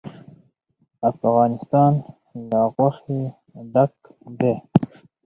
افغانستان له غوښې ډک دی.